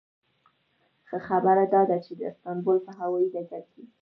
ښه خبره داده چې د استانبول په هوایي ډګر کې.